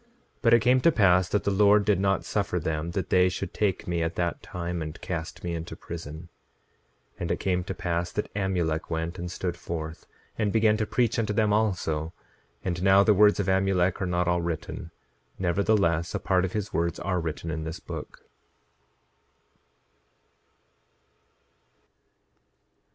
9:33 But it came to pass that the Lord did not suffer them that they should take me at that time and cast me into prison. 9:34 And it came to pass that Amulek went and stood forth, and began to preach unto them also. And now the words of Amulek are not all written, nevertheless a part of his words are written in this book.